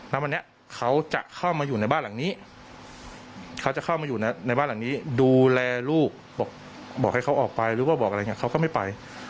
แล้ววันนี้เขาจะเข้ามาอยู่ในบ้านหลังนี้เขาจะเข้ามาอยู่ในบ้านหลังนี้ดูแลลูกบอกให้เขาออกไปหรือว่าบอกอะไรอย่างนี้เขาก็ไม่ไป